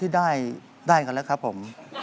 ได้กันแล้วครับผม